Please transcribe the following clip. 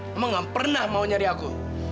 emang gak pernah mau nyari aku